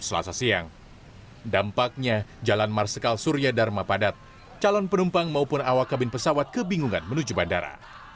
selasa siang dampaknya jalan marsikal surya dharma padat calon penumpang maupun awak kabin pesawat kebingungan menuju bandara